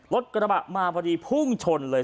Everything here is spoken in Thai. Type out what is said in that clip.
รถกระบะมาพอดีพุ่งชนเลย